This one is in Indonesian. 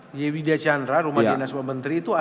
di widya chandra rumah dinas pembentri itu ada mobil